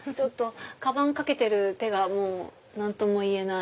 カバンかけてる手が何とも言えない。